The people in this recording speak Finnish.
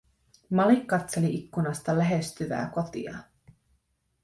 Malik katseli ikkunasta lähestyvää kotia.